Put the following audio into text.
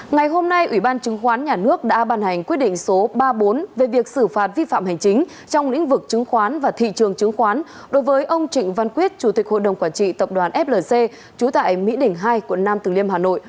ngày hôm nay ủy ban chứng khoán nhà nước đã ban hành quyết định số ba mươi bốn về việc xử phạt vi phạm hành chính trong lĩnh vực chứng khoán và thị trường chứng khoán đối với ông trịnh văn quyết chủ tịch hội đồng quản trị tập đoàn flc trú tại mỹ đỉnh hai quận nam từ liêm hà nội